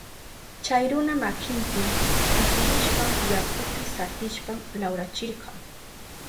Chay runa makinpi pitirishpan yakupi satishpan lawrachirka.